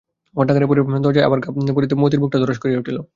ঘন্টাখানেক পরে দরজায় আবার ঘা পড়িতে মতির বুকটা ধড়াস করিয়া উঠিল।